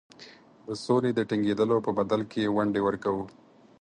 د سولي د ټینګېدلو په بدل کې ونډې ورکوو.